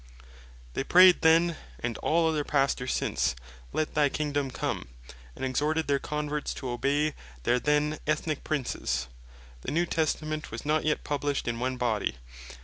They prayed then, and all other Pastors ever since, "Let thy Kingdome come;" and exhorted their Converts to obey their then Ethnique Princes. The New Testament was not yet published in one Body.